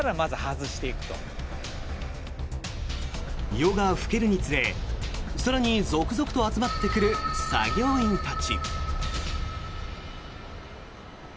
夜が更けるにつれ更に続々と集まってくる作業員たち。